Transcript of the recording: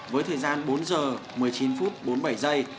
với thời gian bốn giờ một mươi chín phút bốn mươi bảy giây